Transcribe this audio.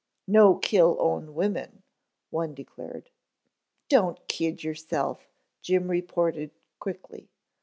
"No kill own women," one declared. "Don't kid yourself," Jim reported quickly.